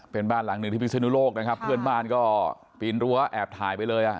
เป็นบ้านหลังหนึ่งที่พิศนุโลกนะครับเพื่อนบ้านก็ปีนรั้วแอบถ่ายไปเลยอ่ะ